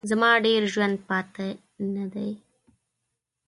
زما ډېر ژوند پاته نه دی.